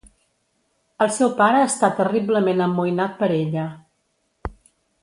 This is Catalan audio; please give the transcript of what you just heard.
El seu pare està terriblement amoïnat per ella.